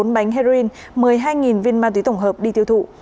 bốn bánh heroin một mươi hai viên ma túy tổng hợp đi tiêu thụ